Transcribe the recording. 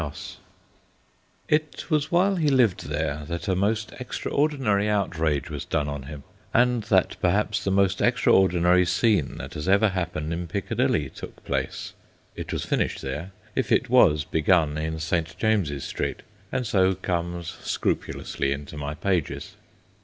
THE DUKE OF ORMONDE 23 It was while he lived there that a most extraordinary outrage was done on him, and that perhaps the most extraordinary scene that ever happened in Piccadilly took place ; it was finished there, if it was be gun in St. James's Street, and so comes scrupulously into my pages.